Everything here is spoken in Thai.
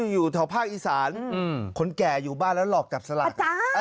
อยู่แถวภาคอีสานคนแก่อยู่บ้านแล้วหลอกจับสลาก